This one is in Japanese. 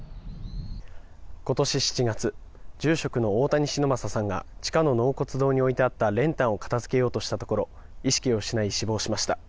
今年７月住職の大谷忍昌さんが地下の納骨堂に置いてあった練炭を片付けようとしたところ意識を失い死亡しました。